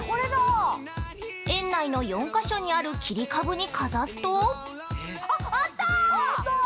◆園内の４か所にある切り株にかざすと◆あっ、あった！